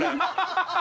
ハハハハ。